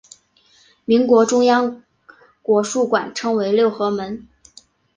民国中央国术馆称为六合门。